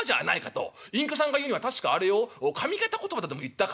隠居さんが言うには確かあれを上方言葉とでも言ったか。